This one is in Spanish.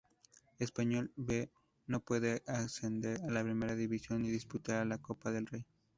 Español "B" no puede ascender a Primera División ni disputar la Copa del Rey.